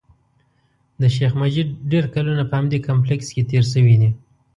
د شیخ مجید ډېر کلونه په همدې کمپلېکس کې تېر شوي دي.